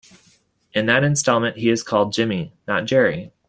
In that installment, he is called Jimmy, not Jerry.